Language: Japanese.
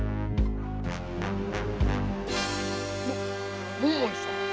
〔桃井様？